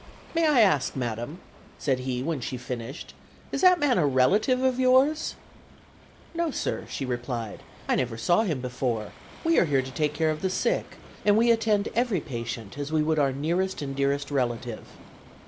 "May I ask, madam," said he when she finished, "is that man a relative of yours?" "No, sir," she replied, "I never saw him before; we are here to take care of the sick, and we attend every patient as we would our nearest and dearest relative."